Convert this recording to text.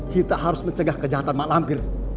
kita harus mencegah kejahatan pak lamir